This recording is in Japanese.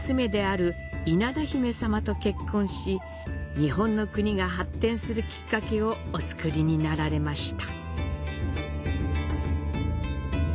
日本の国が発展するきっかけをおつくりになられました。